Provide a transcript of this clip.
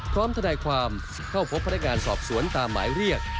ทนายความเข้าพบพนักงานสอบสวนตามหมายเรียก